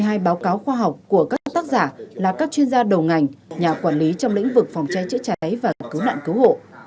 khai báo cáo khoa học của các tác giả là các chuyên gia đầu ngành nhà quản lý trong lĩnh vực phòng cháy chữa cháy và cứu nạn cứu hộ